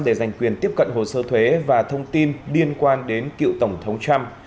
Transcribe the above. để giành quyền tiếp cận hồ sơ thuế và thông tin liên quan đến cựu tổng thống trump